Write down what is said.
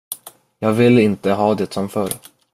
Jag vill inte ha det som förr.